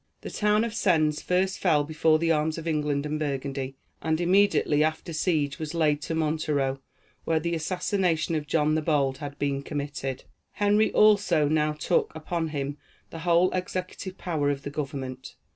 The town of Sens first fell before the arms of England and Burgundy, and immediately after siege was laid to Montereau, where the assassination of John the Bold had been committed. Henry also now took upon him the whole executive power of the government.